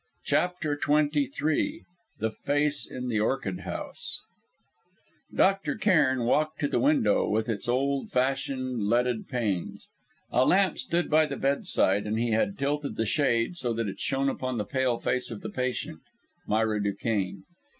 CHAPTER XXIII THE FACE IN THE ORCHID HOUSE Dr. Cairn walked to the window, with its old fashioned leaded panes. A lamp stood by the bedside, and he had tilted the shade so that it shone upon the pale face of the patient Myra Duquesne.